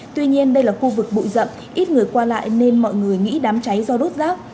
tuy nhiên đây là khu vực bụi rậm ít người qua lại nên mọi người nghĩ đám cháy do đốt rác